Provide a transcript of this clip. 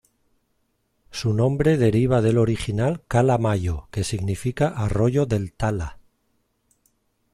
Su nombre deriva del original Cala-Mayo que significa arroyo del tala.